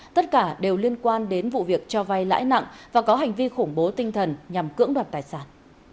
tất cả đều liên quan đến vụ việc cho vay lãi nặng và có hành vi khủng bố tinh thần nhằm cưỡng đoạt tài sản